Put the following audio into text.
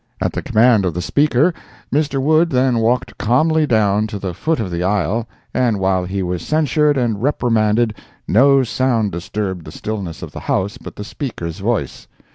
At the command of the Speaker, Mr. Wood then walked calmly down to the foot of the aisle, and while he was censured and reprimanded, no sound disturbed the stillness of the House but the Speaker's voice.